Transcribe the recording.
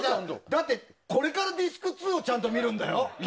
だってこれからディスク２を見るんだよ？